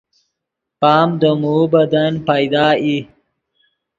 پام دے موؤ بدن پیدا ای